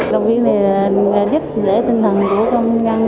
đồng viên này là giúp giữ tinh thần của công nhân